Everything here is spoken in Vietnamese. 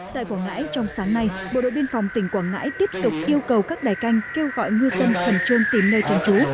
tại quảng ngãi trong sáng nay bộ đội biên phòng tỉnh quảng ngãi tiếp tục yêu cầu các đài canh kêu gọi ngư dân khẩn trương tìm nơi tránh trú